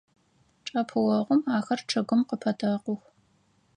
Чъэпыогъум ахэр чъыгым къыпэтэкъух.